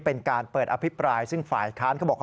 เป็นการเปิดอภิปรายซึ่งฝ่ายค้านเขาบอก